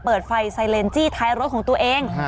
เปิดไฟไซเลนจี้ท้ายรถของตัวเอง